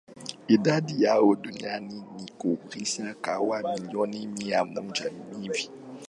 Idadi yao duniani hukadiriwa kuwa milioni mia moja hivi.